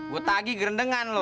gue tagi gerendengan lo